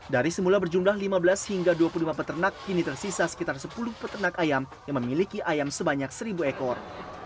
dari semula berjumlah lima belas hingga dua puluh lima peternak kini tersisa sekitar sepuluh peternak ayam yang memiliki ayam sebanyak seribu ekor